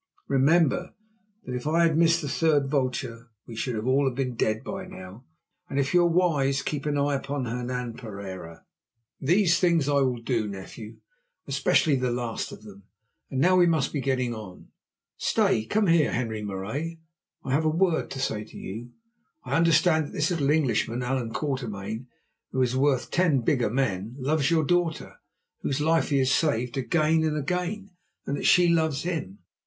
Remember, that if I had missed the third vulture, we should all have been dead by now. And, if you are wise, keep an eye upon Hernan Pereira." "These things I will do, nephew, especially the last of them; and now we must be getting on. Stay; come here, Henri Marais; I have a word to say to you. I understand that this little Englishman, Allan Quatermain, who is worth ten bigger men, loves your daughter, whose life he has saved again and again, and that she loves him.